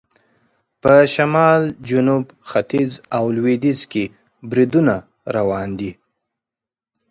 په شمال، جنوب، ختیځ او لویدیځ کې بریدونه روان دي.